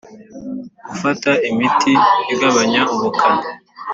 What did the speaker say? gufata imiti igabanya ubukana